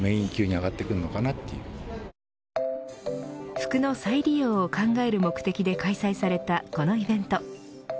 服の再利用を考える目的で開催されたこのイベント。